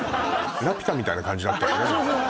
「ラピュタ」みたいな感じだったのね